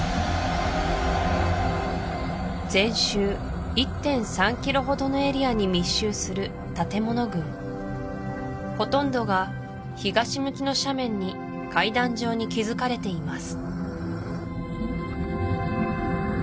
全周１．３キロほどのエリアに密集する建物群ほとんどが東向きの斜面に階段状に築かれています